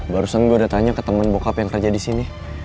barusan gue udah tanya ke temen bockup yang kerja di sini